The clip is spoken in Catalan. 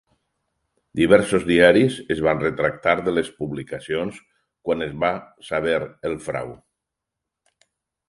Diversos diaris es van retractar de les publicacions quan es va saber el frau.